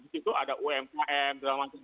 di situ ada umkm dan semacamnya